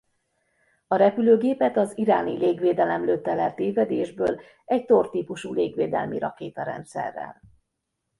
A repülőgépet az iráni légvédelem lőtte le tévedésből egy Tor típusú légvédelmi rakétarendszerrel.